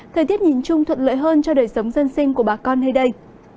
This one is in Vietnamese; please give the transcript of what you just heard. thời tiết nhìn chung thuận lợi hơn cho đời sống dân sinh của bà con nơi đây